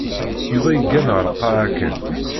Yuba yeggan ɣer lqaεa kan.